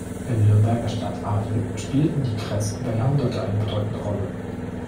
Im Nürnberger Stadtadel spielten die Kreß über Jahrhunderte eine bedeutende Rolle.